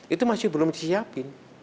itu masih belum disiapin